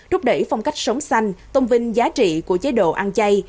rút đẩy phong cách sống xanh tôn vinh giá trị của chế độ ăn chay